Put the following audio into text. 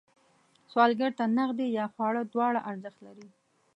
سوالګر ته نغدې یا خواړه دواړه ارزښت لري